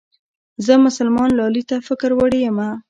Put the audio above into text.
زه مسلمان لالي ته فکر وړې يمه